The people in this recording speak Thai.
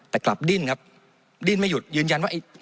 แต่กลับดิ้นครับดิ้นไม่หยุดยืนยันว่า